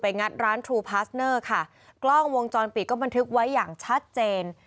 งัดร้านทรูพาสเนอร์ค่ะกล้องวงจรปิดก็บันทึกไว้อย่างชัดเจน